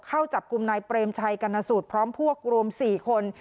เข้าจับกลุ่มนายเปรมชัยกรณสูตรพร้อมพวกรวม๔คน